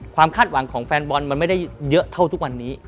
คาดหวังของแฟนบอลมันไม่ได้เยอะเท่าทุกวันนี้